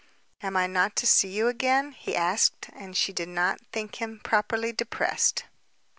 "Am I not to see you again?" he asked, and she did not think him properly depressed.